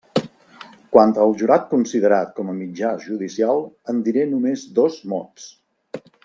Quant al jurat considerat com a mitjà judicial, en diré només dos mots.